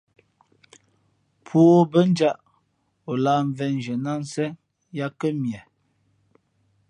Pō ǒ mbά njāʼ, ǒ lāh mvēnzhiē nά ā nsen yā kά mie.